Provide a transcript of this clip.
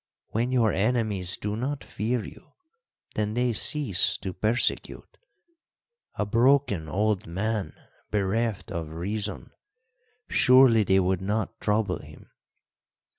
When your enemies do not fear you, then they cease to persecute. A broken old man, bereft of reason surely they would not trouble him!